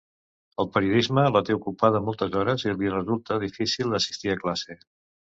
El periodisme la té ocupada moltes hores i li resulta difícil assistir a classe.